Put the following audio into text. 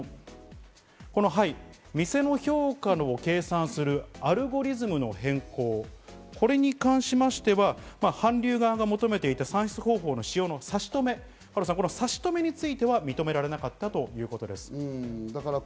こちら、店の評価を計算するアルゴリズムの変更、これに関しましては韓流側が求めていた算出方法の使用の差し止め、差し止めについては認められなかったということです。